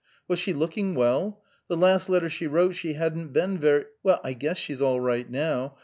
"Was she looking well? The last letter she wrote she hadn't been very " "Well, I guess she's all right, now.